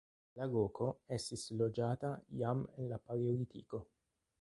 La loko estis loĝata jam en la paleolitiko.